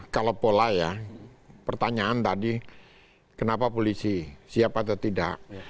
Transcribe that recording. kalau pola ya pertanyaan tadi kenapa polisi siap atau tidak